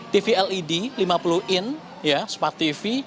tv led lima puluh in ya smart tv